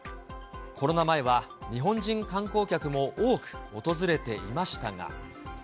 コロナ前は日本人観光客も多く訪れていましたが。